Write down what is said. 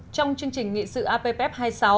trong chương trình nghị sự app hai mươi sáu